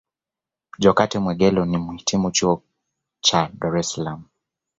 Jokate Mwegelo ni Mhitimu Chuo Kikuu cha Dar Es Salaam